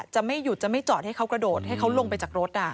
จะไม่หยุดจะไม่จอดให้เขากระโดดให้เขาลงไปจากรถ